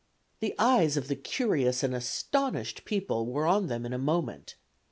The eyes of the curious and astonished people were on them in a moment.